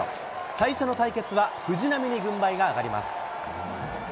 最初の対決は藤浪に軍配が上がります。